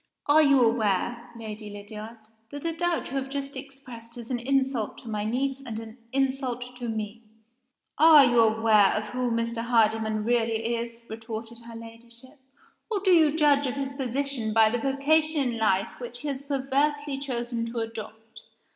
"As you aware, Lady Lydiard, that the doubt you have just expressed is an insult to my niece, and a insult to Me?" "Are you aware of who Mr. Hardyman really is?" retorted her Ladyship. "Or do you judge of his position by the vocation in life which he has perversely chosen to adopt?